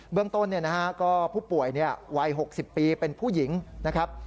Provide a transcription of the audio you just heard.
เบื้องต้นนะฮะก็ผู้ป่วยเนี่ยวัย๖๐ปีเป็นผู้หญิงนะครับ